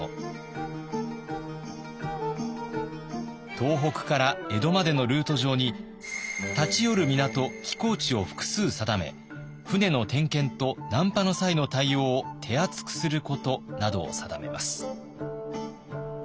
東北から江戸までのルート上に立ち寄る港寄港地を複数定め船の点検と難破の際の対応を手厚くすることなどを定めます。